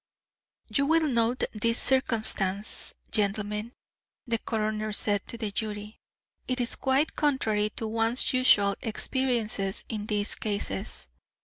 "You will note this circumstance, gentlemen," the coroner said to the jury. "It is quite contrary to one's usual experiences in these cases.